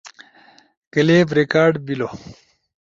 کلپ ریکارڈ بیلو